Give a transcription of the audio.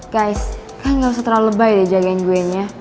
guys kan nggak usah terlalu lebay deh jagain gue ini